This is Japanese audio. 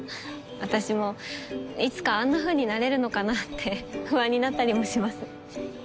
私もいつかあんなふうになれるのかなって不安になったりもします。